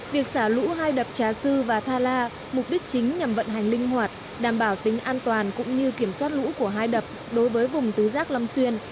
việc xả lũ hai đập trà sư và thala mục đích chính nhằm vận hành linh hoạt đảm bảo tính an toàn cũng như kiểm soát lũ của hai đập đối với vùng tứ giác long xuyên